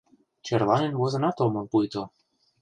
Черланен возынат омыл пуйто...